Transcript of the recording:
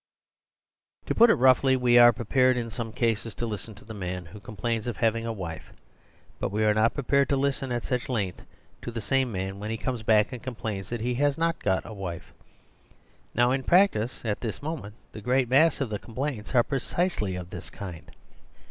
To put it roughly, we arc prepared in some cases to listen to the man who complains of having a wife. But we are not prepared to listen, at such length, to the same man when he comes back and complains that he has not got a wife. Now in practice at this moment the great mass of the complaints are precisely of this kind.